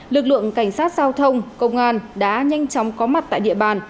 lực lượng cảnh sát giao thông công an đã nhanh chóng có mặt tại địa bàn